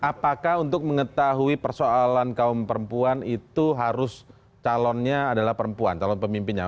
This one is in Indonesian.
apakah untuk mengetahui persoalan kaum perempuan itu harus calonnya adalah perempuan calon pemimpinnya